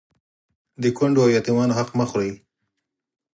د کونډو او يتيمانو حق مه خورئ